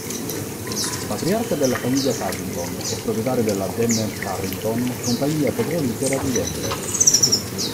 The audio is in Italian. Patriarca della famiglia Carrington e proprietario della Denver-Carrington, compagnia petrolifera di Denver.